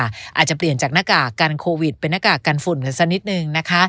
อาจจะเปลี่ยนจากหน้ากากกันโควิดเป็นหน้ากากกันฝุ่นกันสักนิดนึงนะคะ